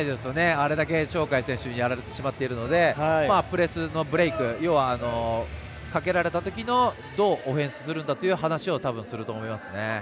あれだけ鳥海選手にやられてしまっているのでプレスのブレークかけられたときのどうオフェンスするんだという話を多分していると思いますね。